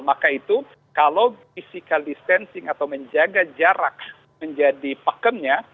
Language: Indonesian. maka itu kalau physical distancing atau menjaga jarak menjadi pakemnya